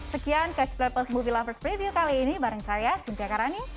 sekian catch play plus movie lovers preview kali ini bareng saya cynthia karani